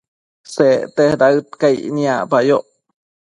Secte daëd caic niacpayoc